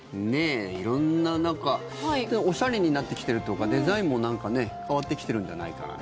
色んなおしゃれになってきてるというかデザインも変わってきてるんじゃないかと。